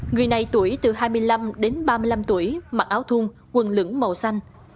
người này tuổi từ hai mươi năm đến ba mươi năm tuổi mặc áo thun quần lửng màu xanh